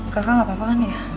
kakak gak apa apa kan ya